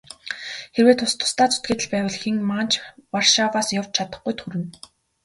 Хэрвээ тус тусдаа зүтгээд л байвал хэн маань ч Варшаваас явж чадахгүйд хүрнэ.